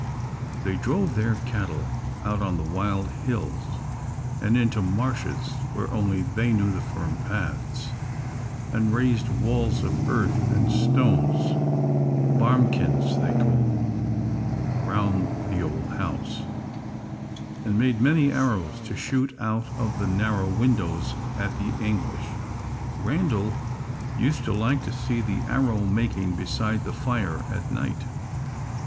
They drove their cattle out on the wild hills, and into marshes where only they knew the firm paths, and raised walls of earth and stones barmkyns, they called them round the old house; and made many arrows to shoot out of the narrow windows at the English. Randal used to like to see the arrow making beside the fire at! night.